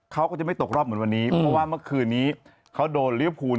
เขาก็จะไม่ตกรอบเหมือนวันนี้เพราะว่าเมื่อคืนนี้เขาโดนลิเวอร์พูล